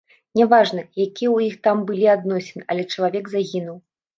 Няважна, якія ў іх там былі адносіны, але чалавек загінуў.